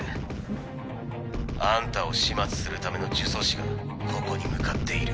ん？あんたを始末するための呪詛師がここに向かっている？